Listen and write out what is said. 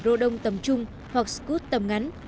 rodong tầm trung hoặc scud tầm ngắn